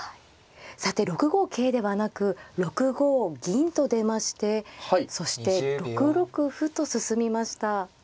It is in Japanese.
さて６五桂ではなく６五銀と出ましてそして６六歩と進みました。